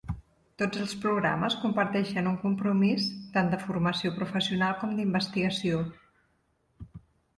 Tots els programes comparteixen un compromís tant de formació professional com d'investigació.